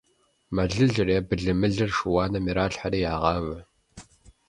Мэлылыр е былымылыр шыуаным иралъхьэри ягъавэ.